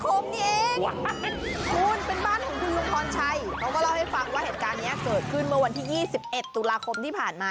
ผมนี่เองคุณเป็นบ้านของคุณลุงพรชัยเขาก็เล่าให้ฟังว่าเหตุการณ์นี้เกิดขึ้นเมื่อวันที่๒๑ตุลาคมที่ผ่านมา